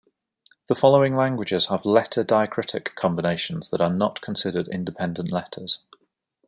The following languages have letter-diacritic combinations that are not considered independent letters.